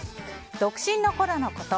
独身のころのこと。